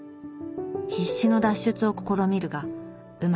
必死の脱出を試みるがうまくいかない。